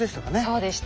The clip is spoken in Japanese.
そうでした。